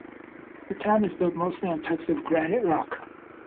The town is built mostly on types of granite rock.